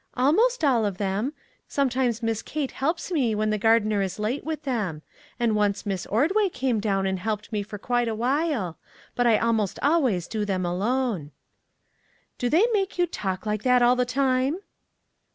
"" Almost all of them ; sometimes Miss Kate helps me when the gardener is late with them; and once Miss Ordway came down and helped me for quite awhile; but I almost always do them alone." " Do they make you talk like that all the time?"